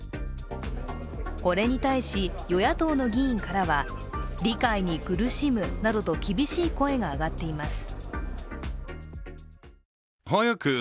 これに対し、与野党の議員からは、理解に苦しむなどと厳しい声が上がっています。